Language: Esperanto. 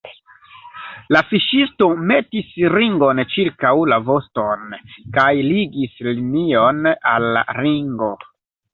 La fiŝisto metis ringon ĉirkaŭ la voston, kaj ligis linion al la ringo.